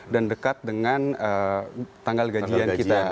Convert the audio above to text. dan dekat dengan tanggal gajian kita